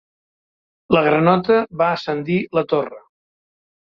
La granota va ascendir la torre.